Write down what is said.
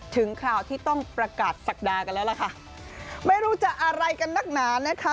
คราวที่ต้องประกาศศักดากันแล้วล่ะค่ะไม่รู้จะอะไรกันนักหนานะคะ